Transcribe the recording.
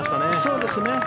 そうですね。